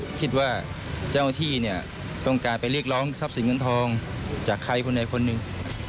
คิดว่าเจ้าที่เนี่ยต้องการไปเรียกร้องทรัพย์สินเงินทองจากใครคนใดคนหนึ่ง